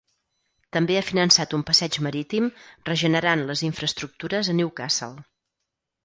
També ha finançat un passeig marítim regenerant les infraestructures a Newcastle.